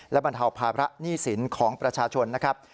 และบรรเทาภาระหนี้สินของประชาชนนะครับ